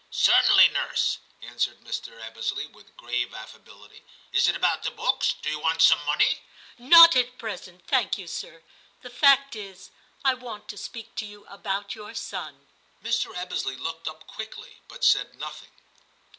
* Certainly, nurse,' answered Mr. Ebbesley with grave affability ;* is it about the books ? Do you want some money }'* Not at present, thank you, sir ; the fact is, I want to speak to you about your son.' Mr. Ebbesley looked up quickly, but said nothing.